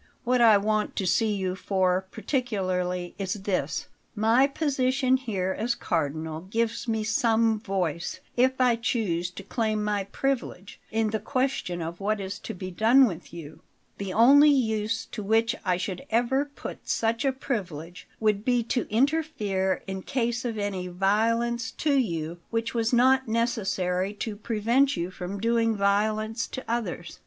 "What I wanted to see you for particularly is this: My position here as Cardinal gives me some voice, if I choose to claim my privilege, in the question of what is to be done with you. The only use to which I should ever put such a privilege would be to interfere in case of any violence to you which was not necessary to prevent you from doing violence to others.